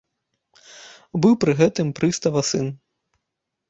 Быў пры гэтым прыстава сын.